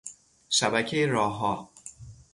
شبکهی راهها